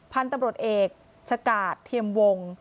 พันธุ์ตำรวจเอกชะกาดเทียมวง